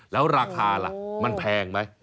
แล้วราคาล่ะมันแพงไหม